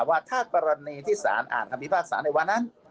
ว่าถ้ากรณีที่สารอ่านคำพิพากษาในวันนั้น